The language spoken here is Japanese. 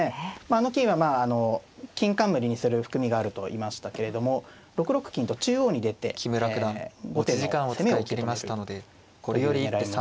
あの金はまああの金冠にする含みがあると言いましたけれども６六金と中央に出て後手の攻めを受け止めるという狙いもあるんですよね。